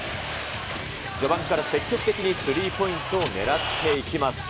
序盤から積極的にスリーポイントを狙っていきます。